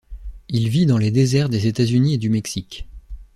Il vit dans les désert des États-Unis et du Mexique.